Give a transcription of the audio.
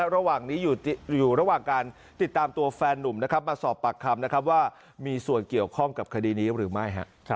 ระหว่างนี้อยู่ระหว่างการติดตามตัวแฟนนุ่มมาสอบปากคำนะครับว่ามีส่วนเกี่ยวข้องกับคดีนี้หรือไม่